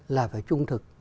là phải trung thực